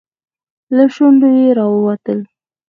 له شونډو يې راووتل.